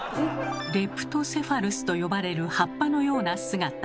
「レプトセファルス」と呼ばれる葉っぱのような姿。